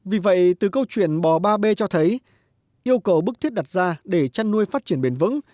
vì vậy từ câu chuyện bò ba b cho thấy yêu cầu bức thiết đặt ra để chăn nuôi phát triển bền vững